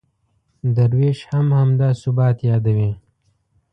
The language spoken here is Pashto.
درویش هم همدا ثبات یادوي.